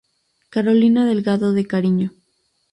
Carolina Delgado de Cariño.